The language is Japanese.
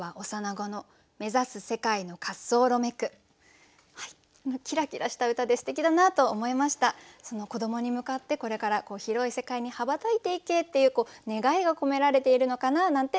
子どもに向かってこれから広い世界に羽ばたいていけっていう願いが込められているのかななんて感じました。